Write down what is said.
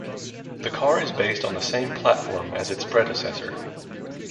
The car is based on the same platform as its predecessor.